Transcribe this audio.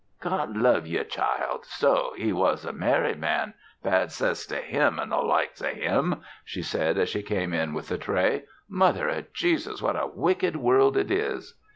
"God love ye, child! So he was a married man bad 'cess to him an' the likes o' him!" she said as she came in with the tray. "Mother o' Jesus! What a wicked world it is!"